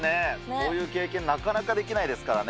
こういう経験、なかなかできないですからね。